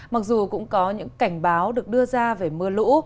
mặc dù cũng có những cảnh báo được đưa ra về mưa lũ